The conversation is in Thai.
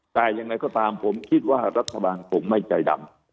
แต่อย่างไรก็ตามผมคิดว่ารัฐบาลคงไม่ใจดำ